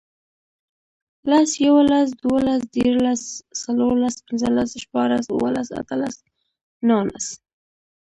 لس, یوولس, دوولس, دیرلس، څورلس, پنځلس, شپاړس, اووهلس, اتهلس, نونس